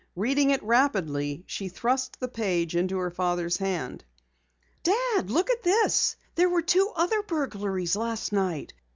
Reading it rapidly, she thrust the page into her father's hand. "Dad, look at this! There were two other burglaries last night!